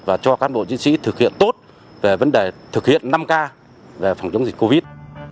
và cho cán bộ chiến sĩ thực hiện tốt về vấn đề thực hiện năm k về phòng chống dịch covid